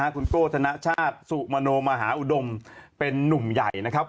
คุณโก้ธนชาติสุมโนมหาอุดมเป็นนุ่มใหญ่นะครับ